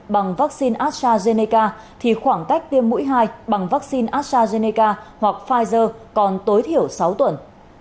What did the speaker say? bằng vaccine astrazeneca thì khoảng cách tiêm mũi hai bằng vaccine astrazeneca hoặc pfizer còn tối thiểu sáu tuần